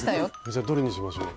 じゃどれにしましょう。